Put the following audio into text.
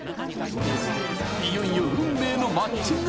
［いよいよ運命のマッチング］